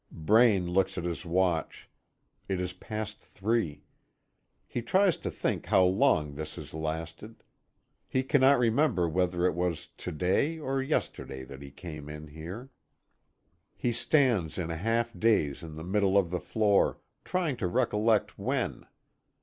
Braine looks at his watch. It is past three. He tries to think how long this has lasted. He cannot remember whether it was to day or yesterday that he came in here. He stands in a half daze in the middle of the floor, trying to recollect when.